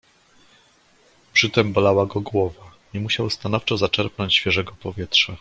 "Przytem bolała go głowa i musiał stanowczo zaczerpnąć świeżego powietrza."